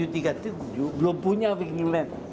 saya beli belah kereta baru itu